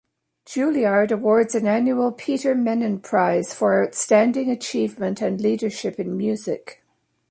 Juilliard awards an annual Peter Mennin prize, for Outstanding Achievement and Leadership in Music.